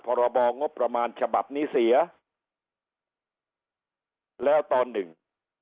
พรบงบประมาณฉบับนี้เสียแล้วตอนหนึ่ง